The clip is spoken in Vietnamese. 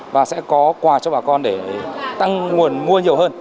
và sẽ có quà cho bà con để tăng nguồn mua nhiều hơn